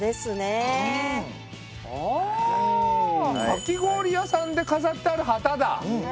かき氷屋さんで飾ってある旗だ。